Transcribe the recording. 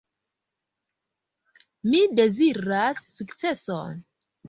Mi deziras sukceson.